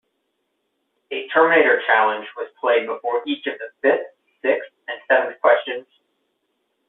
A Terminator challenge was played before each of the fifth, sixth, and seventh questions.